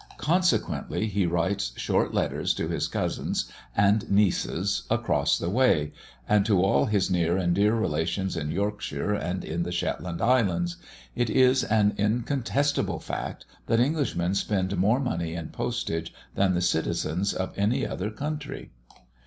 Consequently, he writes short letters to his cousins and nieces across the way, and to all his near and dear relations in Yorkshire and the Shetland Islands. It is an incontestable fact, that Englishmen spend more money in postage than the citizens of any other country.